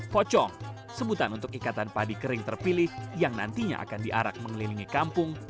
pocong sebutan untuk ikatan padi kering terpilih yang nantinya akan diarak mengelilingi kampung